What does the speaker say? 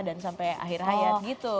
dan sampai akhir hayat gitu